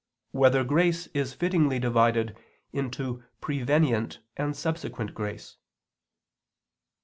3] Whether Grace Is Fittingly Divided into Prevenient and Subsequent Grace?